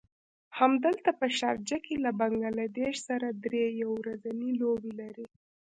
همدلته په شارجه کې له بنګله دېش سره دری يو ورځنۍ لوبې لري.